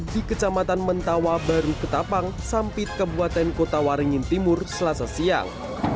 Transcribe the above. di kecamatan mentawa baru ketapang sampit kebuatan kota waringin timur selasa siang